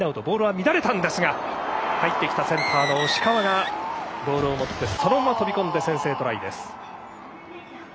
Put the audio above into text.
ボールは乱れたんですが入ってきたセンターの押川がボールを持ってそのまま飛び込んで先制トライです。